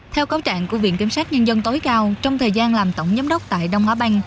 theo cáo trạng của viện kiểm sát nhân dân tối cao trong thời gian làm tổng giám đốc tại đông á banh